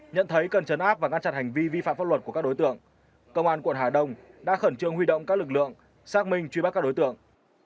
nhận thấy cần chấn áp và ngăn chặn hành vi vi phạm pháp luật của các đối tượng công an quận hà đông đã khẩn trương huy động các lực lượng xác minh truy bắt các đối tượng